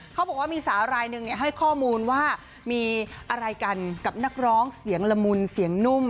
เขาบอกว่ามีสาวรายหนึ่งให้ข้อมูลว่ามีอะไรกันกับนักร้องเสียงละมุนเสียงนุ่ม